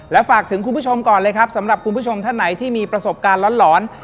และฝากถึงคุณผู้ชมก่อนเลยครับสำหรับคุณผู้ชมท่านไหนที่มีประสบการณ์หลอน